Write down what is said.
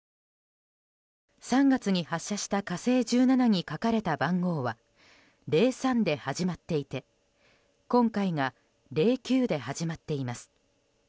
３月に発射した「火星１７」に書かれた番号は０３で始まっていて今回が０９で始まっています。